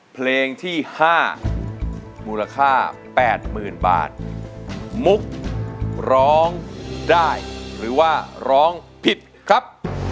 เพลงที่๕มูลค่า๘๐๐๐บาทมุกร้องได้หรือว่าร้องผิดครับ